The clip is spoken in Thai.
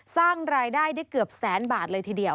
สร้างรายได้ได้เกือบแสนบาทเลยทีเดียว